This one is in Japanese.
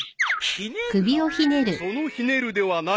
［そのひねるではない］